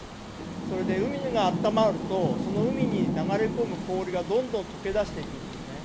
それで海が暖まるとその海に流れ込む氷がどんどん解け出していくんですね。